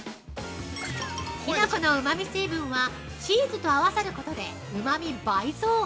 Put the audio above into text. ◆きのこのうまみ成分はチーズと合わさることでうまみ倍増！